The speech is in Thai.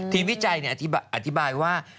ทีมวิจัยเนี่ยอธิบายว่า